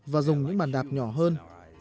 và dùng những bàn đạp nhỏ hơn